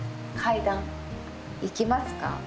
階段行きますか。